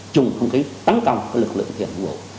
dùng không khí tấn công lực lượng thi hành công vụ